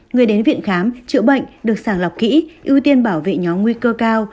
người đến viện khám chữa bệnh được sàng lọc kỹ ưu tiên bảo vệ nhóm nguy cơ cao